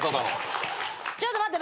ちょっと待って。